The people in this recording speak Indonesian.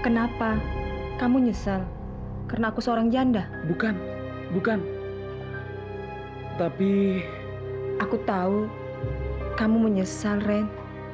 kenapa kamu nyesal karena aku seorang janda bukan bukan tapi aku tahu kamu menyesal ren